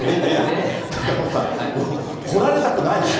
高岡さん、掘られたくないし。